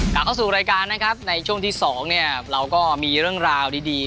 กลับเข้าสู่รายการนะครับในช่วงที่สองเนี่ยเราก็มีเรื่องราวดี